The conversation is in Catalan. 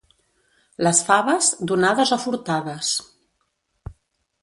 Les faves, donades o furtades.